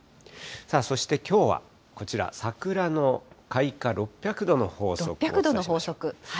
そしてきょうはこちら、サクラの開花６００度の法則をご説明します。